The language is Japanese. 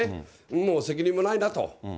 もう責任もないなと。